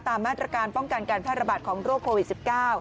ตามมาตรการป้องกันการแพร่ระบาดของโรคโควิด๑๙